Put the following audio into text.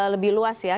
lebih luas ya